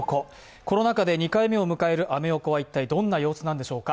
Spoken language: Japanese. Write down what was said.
コロナ禍で２回目を迎えるアメ横は一体どんな様子なのでしょうか。